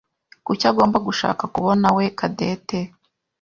Kuki agomba gushaka kubonawe Cadette?